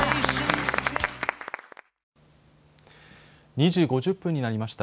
２時５０分になりました。